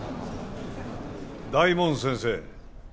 大門先生。